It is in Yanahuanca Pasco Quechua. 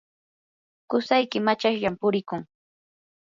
qusayki machashllam purikun.